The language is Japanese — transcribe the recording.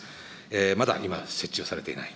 まだ今、設置をされていない。